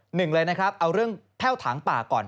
หนึ่งเลยนะครับเอาเรื่องแพ่วถางป่าก่อน